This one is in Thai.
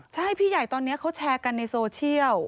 ใช่พี่ใหญ่ตอนนี้เขาแชร์กันในโซเชียล